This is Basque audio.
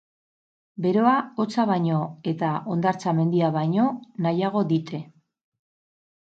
Beroa hotza baino eta hondartza mendia baino nahiago dite.